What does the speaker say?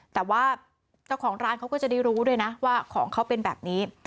แต่ว่าเจ้าของร้านเขาก็จะได้รู้ด้วยนะว่าของเขาเป็นแบบนี้